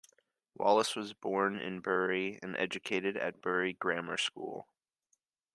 Wallace was born in Bury and educated at Bury Grammar School.